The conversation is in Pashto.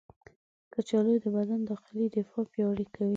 کچالو د بدن داخلي دفاع پیاوړې کوي.